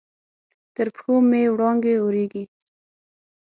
تر پښو مې وړانګې اوریږې